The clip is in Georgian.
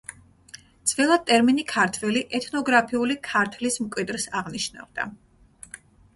ძველად ტერმინი „ქართველი“ ეთნოგრაფიული „ქართლის“ მკვიდრს აღნიშნავდა.